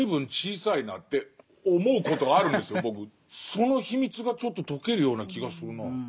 その秘密がちょっと解けるような気がするなぁ。